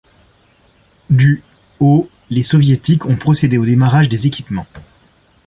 Du au les Soviétiques ont procédé aux démarrages des équipements.